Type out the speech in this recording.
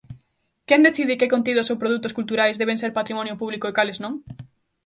Quen decide que contidos ou produtos culturais deben ser patrimonio público e cales non?